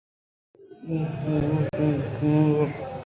ا ٓئرا توار پِر جت بناربس